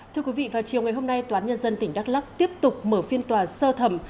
thưa quý vị vào chiều ngày hôm nay tòa án nhân dân tỉnh đắk lắc tiếp tục mở phiên tòa sơ thẩm